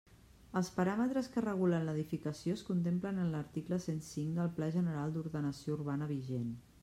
Els paràmetres que regulen l'edificació es contemplen en l'article cent cinc del Pla General d'Ordenació Urbana vigent.